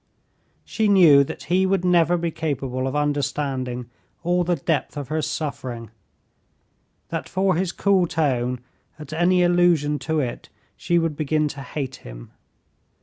She knew that he would never be capable of understanding all the depth of her suffering, that for his cool tone at any allusion to it she would begin to hate him.